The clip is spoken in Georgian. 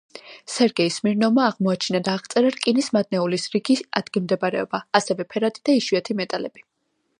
სერგეი სმირნოვმა აღმოაჩინა და აღწერა რკინის მადნეულის რიგი ადგილმდებარეობა, ასევე ფერადი და იშვიათი მეტალები.